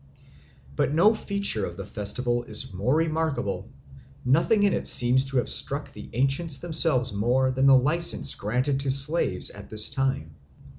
But no feature of the festival is more remarkable, nothing in it seems to have struck the ancients themselves more than the license granted to slaves at this time.